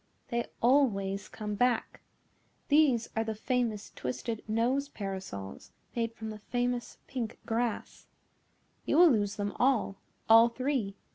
"They always come back. These are the famous twisted nose parasols made from the famous pink grass. You will lose them all, all three.